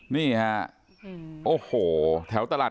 นี่ครับ